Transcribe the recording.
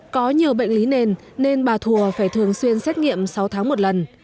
có nhiều bệnh lý nền nên bà thùa phải thường xuyên xét nghiệm sáu tháng một lần